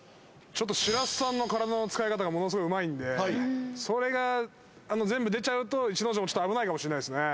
ちょっとしらすさんの体の使い方がものすごいうまいんでそれが全部出ちゃうと逸ノ城もちょっと危ないかもしれないですね